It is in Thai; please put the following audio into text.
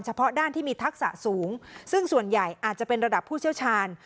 เฉพาะด้านที่มีทักษะสูงซึ่งส่วนใหญ่อาจจะเป็นระดับผู้เชี่ยวชาญ